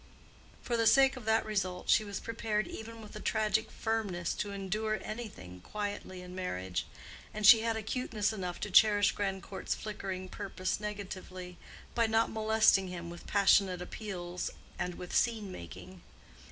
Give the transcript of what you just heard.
For the sake of that result she was prepared even with a tragic firmness to endure anything quietly in marriage; and she had acuteness enough to cherish Grandcourt's flickering purpose negatively, by not molesting him with passionate appeals and with scene making.